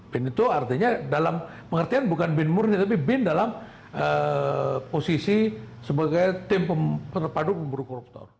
bin itu artinya dalam pengertian bukan bin murni tapi bin dalam posisi sebagai tim terpadu pemburu koruptor